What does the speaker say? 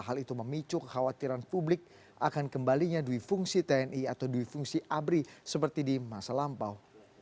hal itu memicu kekhawatiran publik akan kembalinya dwi fungsi tni atau dwi fungsi abri seperti di masa lampau